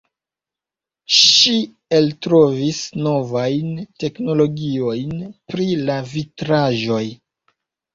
Ŝi eltrovis novajn teknologiojn pri la vitraĵoj.